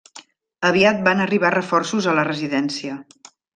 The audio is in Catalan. Aviat van arribar reforços a la residència.